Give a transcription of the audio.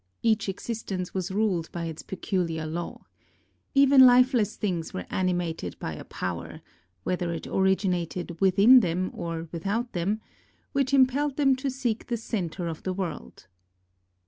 Each existence was ruled by its peculiar law. Even lifeless things were animated by a power — whether it originated within them or without them — which impelled them, to seek the centre of the world.